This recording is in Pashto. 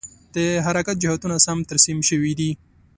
د حرکت جهتونه سم ترسیم شوي دي؟